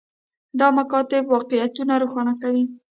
دا مکاتبه واقعیتونه روښانه کوي.